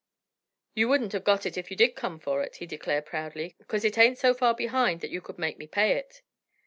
"You wouldn't of got it if you did come for it," he declared, proudly, "'cause it ain't so far behind that you could make me pay it."